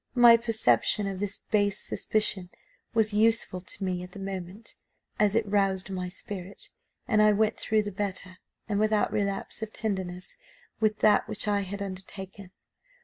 My perception of this base suspicion was useful to me at the moment, as it roused my spirit, and I went through the better, and without relapse of tenderness, with that which I had undertaken.